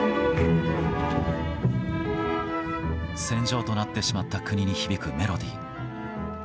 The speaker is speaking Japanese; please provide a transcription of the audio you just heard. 戦場となってしまった国に響くメロディー。